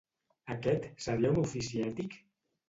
Aquest seria un ofici ètic?